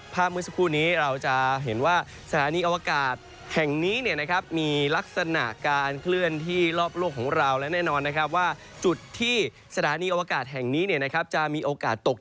เมื่อสักครู่นี้เราจะเห็นว่าสถานีอวกาศแห่งนี้มีลักษณะการเคลื่อนที่รอบโลกของเราและแน่นอนนะครับว่าจุดที่สถานีอวกาศแห่งนี้จะมีโอกาสตก